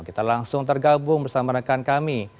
kita langsung tergabung bersama rekan kami